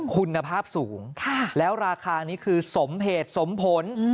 คุณภาพสูงแล้วราคานี้คือสมเหตุสมผล